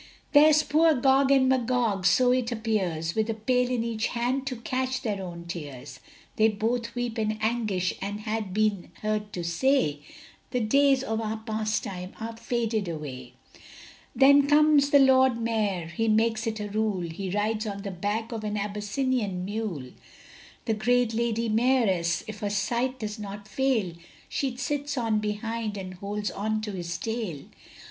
There's poor Gog and Magog, so it appears, With a pail in each hand to catch their own tears, They both weep in anguish and been heard to say The days of our pastime are faded away. Then comes the Lord Mayor he makes it a rule, He rides on the back of an Abyssinian mule; The great Lady Mayoress, if her sight does not fail, She sits on behind, and holds on to his tail.